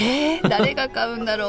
誰が買うんだろう？